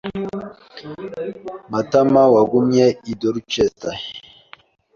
Matamawagumye i Dorchester.